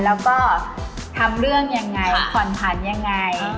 แล้วก็ทำเรื่องยังไงผ่อนผันยังไง